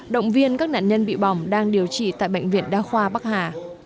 động viên các nạn nhân bị bỏng đang điều trị tại bệnh viện đa khoa bắc hà